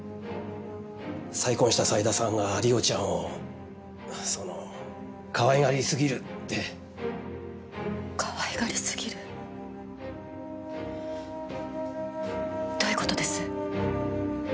再婚した斎田さんが梨緒ちゃんをそのかわいがりすぎるって。かわいがりすぎる？どういう事です？